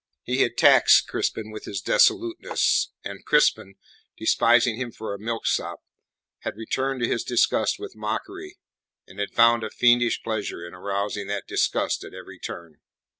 He had taxed Crispin with his dissoluteness, and Crispin, despising him for a milksop, had returned to his disgust with mockery, and had found a fiendish pleasure in arousing that disgust at every turn.